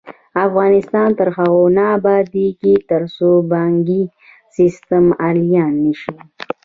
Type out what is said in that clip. افغانستان تر هغو نه ابادیږي، ترڅو بانکي سیستم آنلاین نشي.